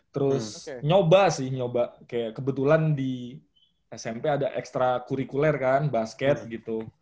terus nyoba sih nyoba kayak kebetulan di smp ada ekstra kurikuler kan basket gitu